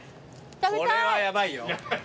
これはヤバいよ。